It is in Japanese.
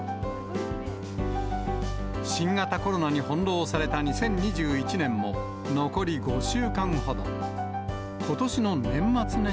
新型コロナに翻弄された２０２１年も残り５週間ほど。